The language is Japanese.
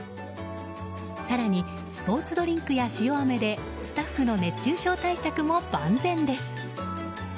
更にスポーツドリンクや塩あめでスタッフの熱中症対策も万全です。